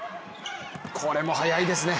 これも速いですね。